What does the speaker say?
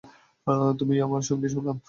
তুমি আমার সঙ্গি, পুনাম।